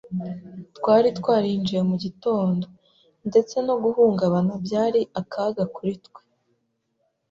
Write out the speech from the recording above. twari twarinjiye mu gitondo. Ndetse no guhungabana byari akaga kuri twe